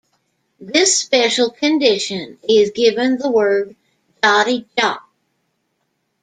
This special condition is given the word Joti Jot.